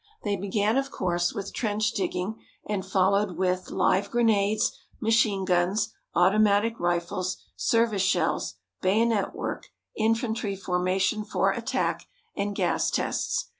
They began, of course, with trench digging, and followed with live grenades, machine guns, automatic rifles, service shells, bayonet work, infantry formation for attack, and gas tests.